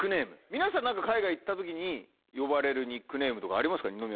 皆さん海外行った時に呼ばれるニックネームとかありますか？